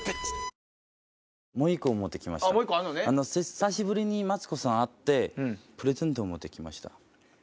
久しぶりにマツコさん会ってプレゼントを持って来ました。